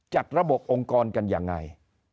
จัดระบบองค์กรกันยังไง